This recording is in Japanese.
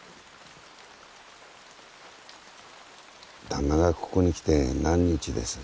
旦那がここに来て何日です？